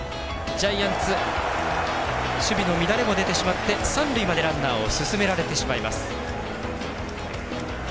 ジャイアンツ守備の乱れも出てしまって三塁までランナーを進められてしまいます。